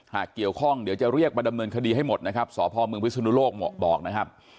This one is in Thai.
หากเกี่ยวข้องเดี๋ยวจะเรียกมาดำเนินคดีให้หมดนะครับสพเมืองพิศนุโลกบอกนะครับ